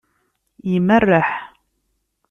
Imerreḥ.